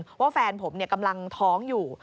เพราะว่าแฟนผมกำลังท้องอยู่